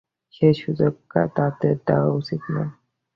সে সুযোগ তাঁদের দেয়া উচিত না।